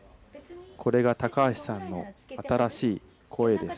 これが高橋さんの新しい声です。